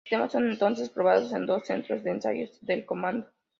Los sistemas son entonces probados en dos centros de ensayo del comando.